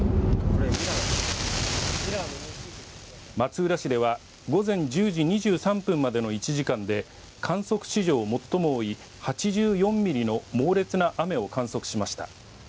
松浦市では午前１０時２３分までの１時間で観測史上最も多い８４ミリの猛烈な雨を観測しました。